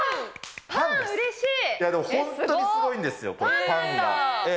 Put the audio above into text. でも本当にすごいんですよ、パンが。